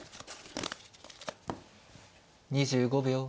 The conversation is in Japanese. ２５秒。